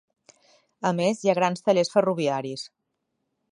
A més hi ha grans tallers ferroviaris.